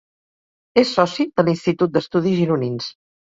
És soci de l'Institut d’Estudis Gironins.